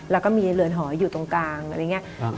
แล้วก็มีเรือนหออยู่ตรงกลางอะไรอย่างนี้